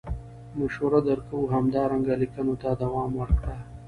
مشوره در کوو همدارنګه لیکنو ته دوام ورکړه.